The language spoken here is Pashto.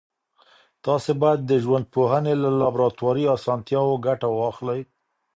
تاسو باید د ژوندپوهنې له لابراتواري اسانتیاوو ګټه واخلئ.